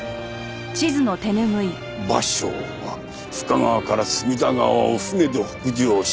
芭蕉は深川から隅田川を舟で北上し